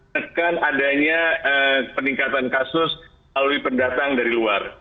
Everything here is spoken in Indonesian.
tekan adanya peningkatan kasus lalui pendatang dari luar